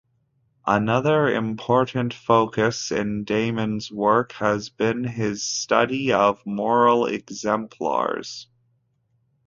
Another important focus in Damon's work has been his study of moral exemplars.